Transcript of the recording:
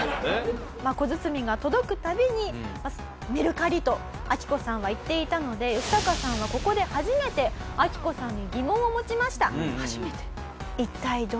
小包が届くたびにメルカリとアキコさんは言っていたのでヨシタカさんはここで初めてアキコさんに疑問を持ちました。